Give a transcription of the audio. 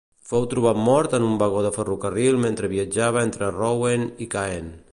Fou trobat mort en un vagó de ferrocarril mentre viatjava entre Rouen i Caen.